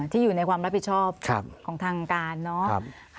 ที่อยู่ในความรับผิดชอบของทางการเนอะ